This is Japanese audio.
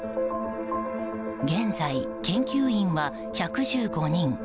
現在、研究員は１１５人。